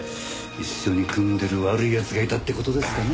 一緒に組んでる悪い奴がいたって事ですかね。